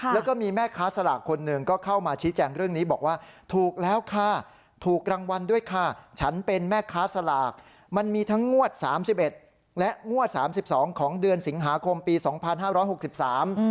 แล้วก็มีแม่ค้าสลากคนหนึ่งก็เข้ามาชี้แจงเรื่องนี้บอกว่าถูกแล้วค่ะถูกรางวัลด้วยค่ะฉันเป็นแม่ค้าสลากมันมีทั้งงวดสามสิบเอ็ดและงวดสามสิบสองของเดือนสิงหาคมปีสองพันห้าร้อยหกสิบสาม